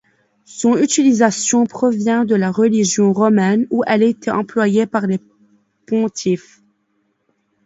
Son utilisation provient de la religion romaine, où elle était employée par les pontifes.